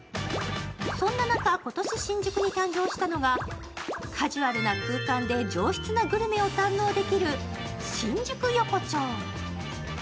そんな中、今年、新宿に誕生したのがカジュアルな空間で上質なグルメを堪能できる新宿横丁。